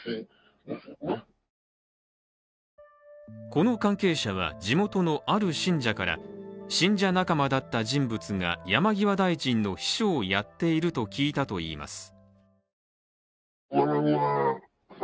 この関係者は地元のある信者から信者仲間だった人物が山際大臣の秘書をやっていると聞いたといいます。